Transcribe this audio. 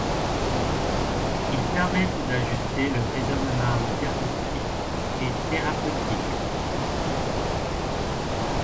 Ils permettent d'ajuster le raisonnements diagnostiques et thérapeutiques.